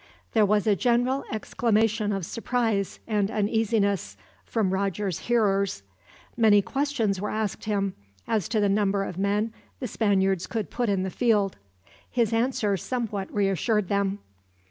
There was a general exclamation of surprise and uneasiness from Roger's hearers. Many questions were asked him, as to the number of men the Spaniards could put in the field. His answer somewhat reassured them.